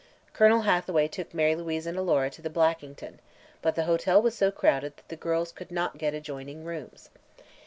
Colonel Hathaway took Mary Louise and Alora to the Blackington, but the hotel was so crowded that the girls could not get adjoining rooms.